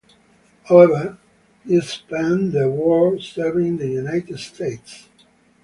However, he spent the war serving in the United States.